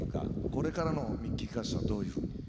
これからのミッキ−・カ−チスさんはどういうふうに？